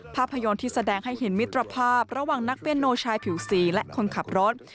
ภาพยนตร์ที่แสดงให้เห็นมิตรภาพระหว่างนักเปียโนชายผิวสีและคนขับรถ